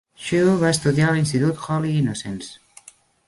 Chew va estudiar a l'institut Holy Innocents.